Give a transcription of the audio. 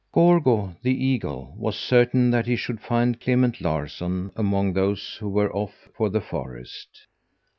Gorgo, the eagle, was certain that he should find Clement Larsson among those who were off for the forest.